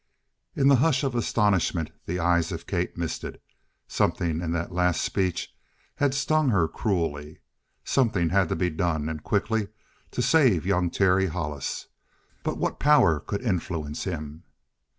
In the hush of astonishment, the eyes of Kate misted. Something in that last speech had stung her cruelly. Something had to be done, and quickly, to save young Terry Hollis. But what power could influence him?